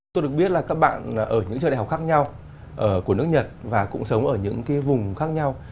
tôi được biết là các bạn ở những trường đại học khác nhau của nước nhật và cũng sống ở những cái vùng khác nhau